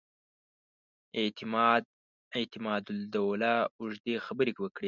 اعتماد الدوله اوږدې خبرې وکړې.